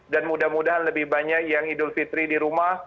dan mudah mudahan lebih banyak yang idul fitri di rumah